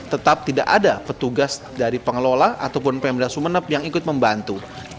tetap tidak ada petugas dari pengelola ataupun pemda sumeneb yang ikut membantu